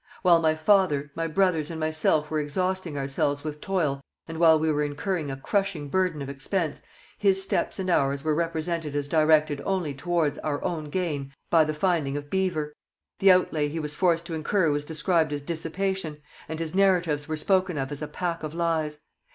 While my father, my brothers, and myself were exhausting ourselves with toil, and while we were incurring a crushing burden of expense, his steps and ours were represented as directed only towards [our own gain by] the finding of beaver; the outlay he was forced to incur was described as dissipation; and his narratives were spoken of as a pack of lies.